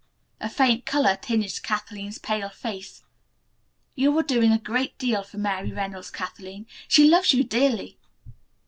A faint color tinged Kathleen's pale face. "You are doing a great deal for Mary Reynolds, Kathleen. She loves you dearly!"